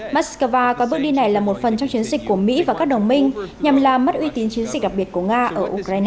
moscow có bước đi này là một phần trong chiến dịch của mỹ và các đồng minh nhằm làm mất uy tín chiến dịch đặc biệt của nga ở ukraine